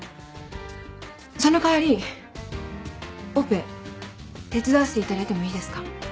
その代わりオペ手伝わせていただいてもいいですか？